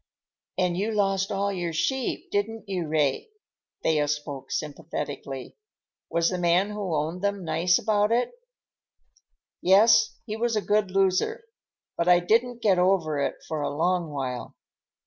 "And you lost all your sheep, didn't you, Ray?" Thea spoke sympathetically. "Was the man who owned them nice about it?" "Yes, he was a good loser. But I didn't get over it for a long while.